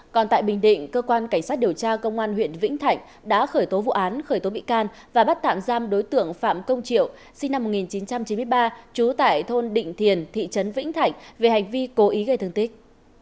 còn tại bình định cơ quan cảnh sát điều tra công an huyện vĩnh thạnh đã khởi tố vụ án khởi tố bị can và bắt tạm giam đối tượng phạm công triệu sinh năm một nghìn chín trăm chín mươi ba trú tại thôn định thiền thị trấn vĩnh thạnh về hành vi cố ý gây thương tích